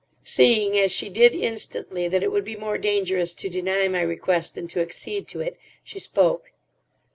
Seeing, as she did instantly, that it would be more dangerous to deny my request than to accede to it, she spoke.